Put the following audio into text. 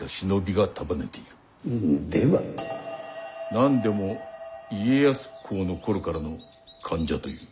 何でも家康公の頃からの間者という。